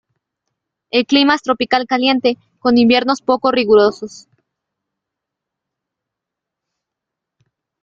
El clima es tropical caliente con inviernos poco rigurosos.